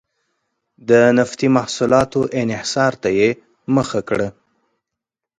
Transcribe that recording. د نفتي محصولاتو انحصار ته یې مخه کړه.